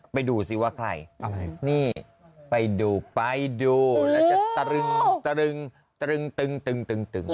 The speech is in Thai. ไปดูซิว่าใครนี่ไปดูไปดูแล้วจะตรึงตรึงตรึง